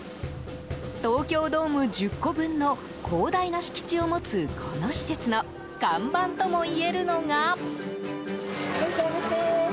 東京ドーム１０個分の広大な敷地を持つこの施設の看板ともいえるのが。